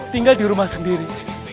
tinggal di rumah sendiri